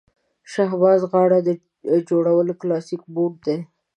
شهبازي غاړه جوړول کلاسیک موډ دی.